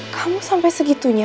kamu sampai segitunya